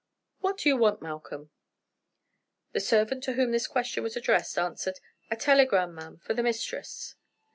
What do you want, Malcolm?" The servant to whom this question was addressed answered: "A telegram, ma'am, for the mistress."